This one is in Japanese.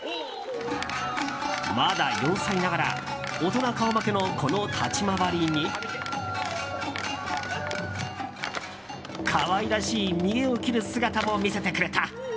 まだ４歳ながら大人顔負けのこの立ち回りに可愛らしい見えを切る姿も見せてくれた。